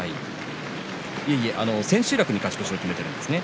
千秋楽に勝ち越しを決めているんですね。